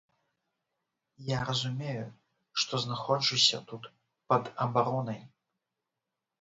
Я разумею, што знаходжуся тут пад абаронай.